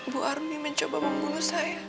bu army mencoba membunuh saya